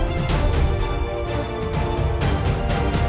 hancurkan kota yang paling tinggi